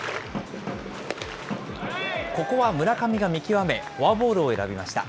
ここは村上が見極め、フォアボールを選びました。